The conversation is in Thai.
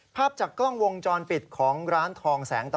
ภาพจากกล้องวงจรปิดของร้านทองแสงต่อ